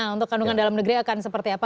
untuk kandungan dalam negeri akan seperti apa